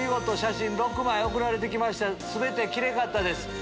全てキレイかったです。